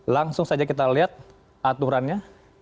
langsung saja kita lihat aturannya